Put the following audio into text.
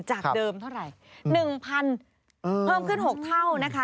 จากเดิมเท่าไหร่๑๐๐เพิ่มขึ้น๖เท่านะคะ